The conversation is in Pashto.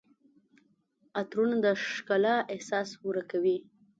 عطرونه د ښکلا احساس ورکوي.